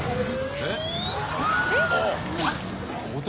えっ？